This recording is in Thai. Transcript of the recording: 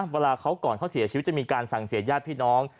เวลาเขาก่อนเขาเสียชีวิตจะมีการสั่งเสียญาติพี่น้อง